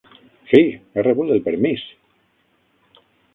Sí, he rebut el permís!